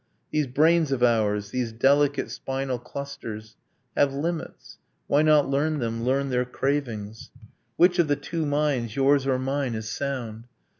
These brains of ours these delicate spinal clusters Have limits: why not learn them, learn their cravings? Which of the two minds, yours or mine, is sound?